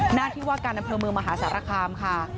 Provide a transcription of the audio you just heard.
หน้าที่ว่าการนำเพลิมมหาศาลคามค่ะ